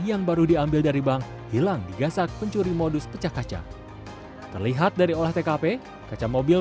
yang baru diambil dari bank hilang digasak pencuri modus pecah kaca terlihat dari olah tkp kaca mobil